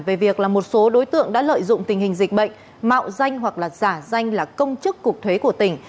về việc là một số đối tượng đã lợi dụng tình hình dịch bệnh mạo danh hoặc là giả danh là công chức cục thuế của tỉnh